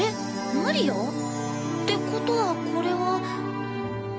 マリア？ってことはこれは。